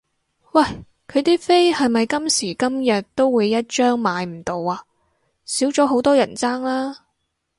喂佢啲飛係咪今時今日都會一張買唔到啊？少咗好多人爭啦？